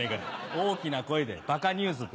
大きな声で「バカニュース」って。